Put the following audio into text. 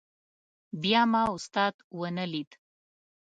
بیا ما استاد ونه لید.